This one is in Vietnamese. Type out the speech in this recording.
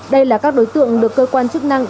đây là các đối tượng được cơ quan chức năng